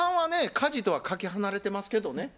家事とはかけ離れてますけどね。